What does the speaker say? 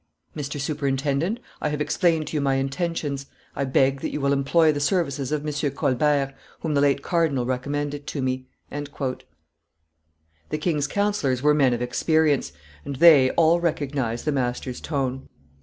Mr. Superintendent, I have explained to you my intentions; I beg that you will employ the services of M. Colbert, whom the late cardinal recommended to me." The king's councillors were men of experience; and they, all recognized the master's tone.